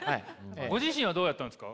ご自身はどうだったんですか？